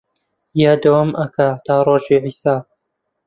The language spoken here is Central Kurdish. یا دەوام ئەکا تا ڕۆژی حیساب